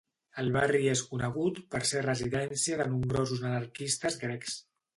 El barri és conegut per ser residència de nombrosos anarquistes grecs.